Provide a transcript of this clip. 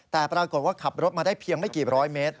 แต่ปรากฏว่าขับรถมาได้เพียงไม่กี่ร้อยเมตร